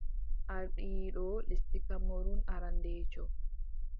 Ardiiɗo lesdi Kamerun arandeejo.